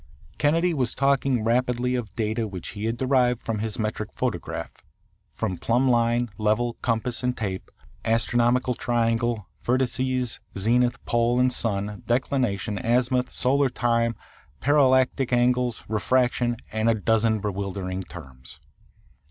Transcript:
Kennedy was talking rapidly of data which he had derived from his metric photograph, from plumb line, level, compass, and tape, astronomical triangle, vertices, zenith, pole and sun, declination, azimuth, solar time, parallactic angles, refraction, and a dozen bewildering terms.